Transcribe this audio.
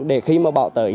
để khi mà báo tới